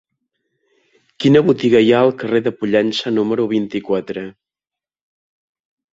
Quina botiga hi ha al carrer de Pollença número vint-i-quatre?